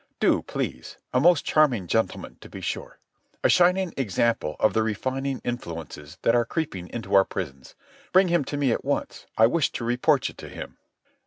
"Do, please. A most charming gentleman, to be sure. A shining example of the refining influences that are creeping into our prisons. Bring him to me at once. I wish to report you to him."